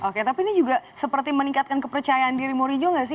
oke tapi ini juga seperti meningkatkan kepercayaan diri mourinho gak sih